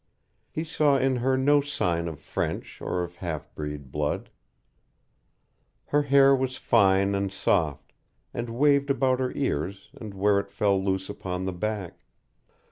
He saw in her no sign of French or half breed blood. Her hair was fine and soft, and waved about her ears and where it fell loose upon the back.